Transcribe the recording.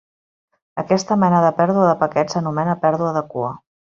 Aquesta mena de pèrdua de paquets s'anomena pèrdua de cua.